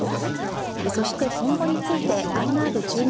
そして、今後についてアンナーブ駐日